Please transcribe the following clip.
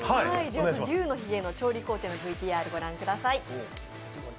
龍のひげの調理工程のＶＴＲご覧ください。